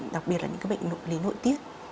đặc biệt là những bệnh lý nội tiết